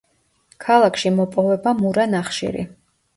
ქალაქში მოპოვება მურა ნახშირი.